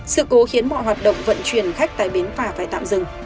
sự cố khiến mọi hoạt động vận chuyển khách tại bến phà phải tạm dừng